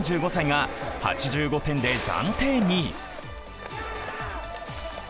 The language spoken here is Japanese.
３５歳が８５点で暫定２位。